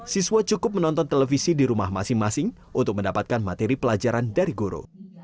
siswa cukup menonton televisi di rumah masing masing untuk mendapatkan materi pelajaran dari guru